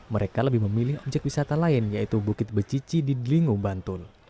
mereka lebih memilih objek wisata lain yaitu bukit becici di delingung bantul